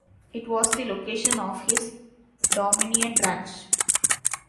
It was the location of his Dominion Ranch.